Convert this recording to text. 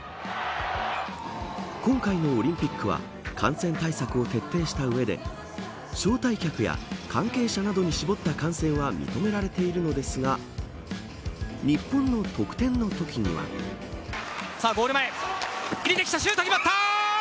今回のオリンピックは感染対策を徹底した上で招待客や関係者などに絞った観戦は認められているのですがゴール前、シュート決まった。